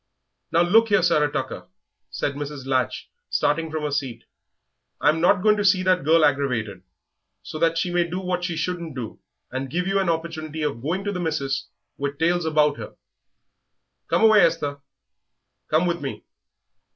"Now look you here, Sarah Tucker," said Mrs. Latch, starting from her seat, "I'm not going to see that girl aggravated, so that she may do what she shouldn't do, and give you an opportunity of going to the missis with tales about her. Come away, Esther, come with me.